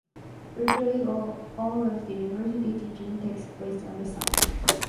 Virtually all of the University's teaching takes place on the site.